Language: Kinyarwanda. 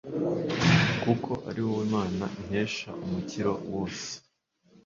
kuko ari wowe mana nkesha umukiro wose